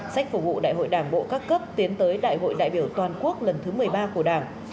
sách phục vụ đại hội đảng bộ các cấp tiến tới đại hội đại biểu toàn quốc lần thứ một mươi ba của đảng